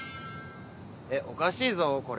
えっおかしいぞこれ。